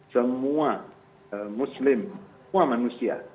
semua muslim semua manusia